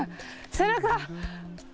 背中？